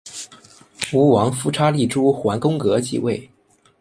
吴王夫差立邾桓公革继位。